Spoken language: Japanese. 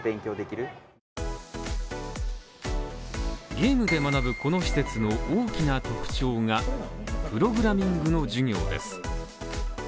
ゲームで学ぶこの施設の大きな特徴が、プログラミングの授業です。